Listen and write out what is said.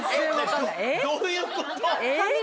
えっ？どういうこと？